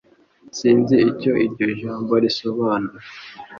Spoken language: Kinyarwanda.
Sinzi icyo iryo jambo risobanura